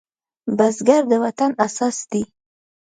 بزګر د وطن اساس دی